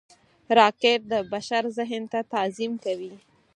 راکټ د بشر ذهن ته تعظیم کوي